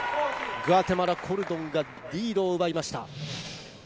グアテマラ、コルドンがリードを奪いました。